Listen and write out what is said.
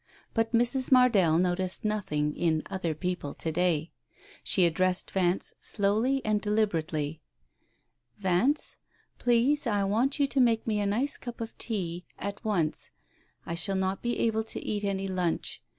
But Mrs. Mardell noticed nothing in other people to day. She addressed Vance slowly and deliberately. "Vance, please I want you to make me a nice cup of tea — at once. I shall not be able to eat any lunch.